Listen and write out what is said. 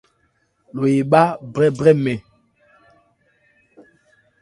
Lo ebhá brɛ́brɛmɛn.